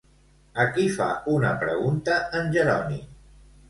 A qui fa una pregunta en Jeroni?